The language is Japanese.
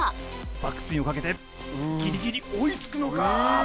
バックスピンをかけてギリギリ追いつくのか！